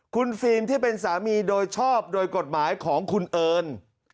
คุณฟิล์มที่เป็นสามีโดยชอบโดยกฎหมายของคุณเอิญ